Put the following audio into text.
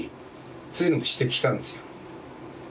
そういうのも指摘したんですよ。